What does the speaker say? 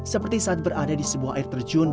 seperti saat berada di sebuah air terjun